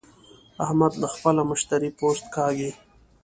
احمد له خپله مشتري پوست کاږي.